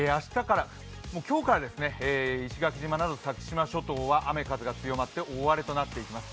今日から石垣島など先島諸島は雨・風が強まって大荒れとなってきます。